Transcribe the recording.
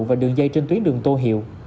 và đường dây trên tuyến đường tô hiệu